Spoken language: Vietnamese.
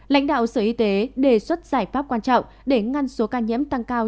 lãnh đạo sở y tế đề xuất giải pháp quan trọng để ngăn số ca nhiễm tăng cao